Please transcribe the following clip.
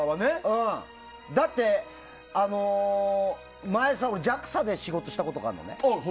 だって前、俺ＪＡＸＡで仕事したことがあるのね。